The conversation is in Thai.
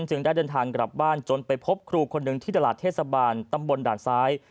ได้เดินทางกลับบ้านจนไปพบครูคนหนึ่งที่ตลาดเทศบาลตำบลด่านซ้าย